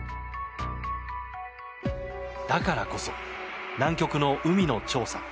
だからこそ南極の海の調査。